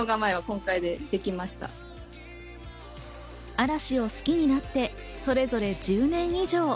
嵐を好きになってそれぞれ１０年以上。